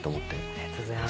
ありがとうございます。